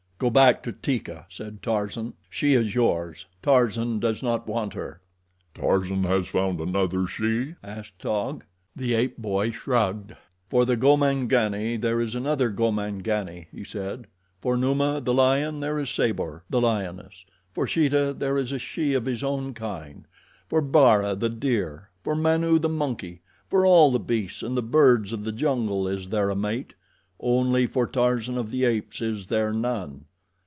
"Go back to Teeka," said Tarzan. "She is yours. Tarzan does not want her." "Tarzan has found another she?" asked Taug. The ape boy shrugged. "For the Gomangani there is another Gomangani," he said; "for Numa, the lion, there is Sabor, the lioness; for Sheeta there is a she of his own kind; for Bara, the deer; for Manu, the monkey; for all the beasts and the birds of the jungle is there a mate. Only for Tarzan of the Apes is there none.